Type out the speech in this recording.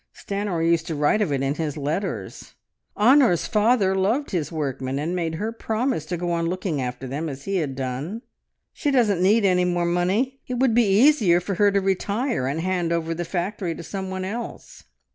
Stanor used to write of it in his letters. Honor's father loved his workmen, and made her promise to go on looking after them as he had done. She doesn't need any more money; it would be easier for her to retire and hand over the factory to some one else.